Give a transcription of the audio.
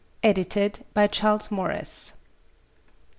EDITED BY CHARLES MORRIS, LL.